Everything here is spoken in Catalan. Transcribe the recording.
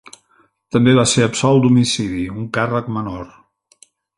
També va ser absolt d'homicidi, un càrrec menor.